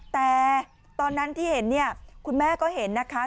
แต่ตอนนั้นที่เห็นเนี่ยคุณแม่ก็เห็นนะคะ